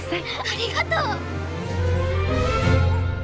ありがとう！